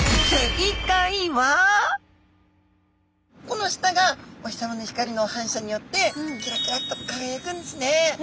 この舌がお日様の光の反射によってキラキラッと輝くんですね。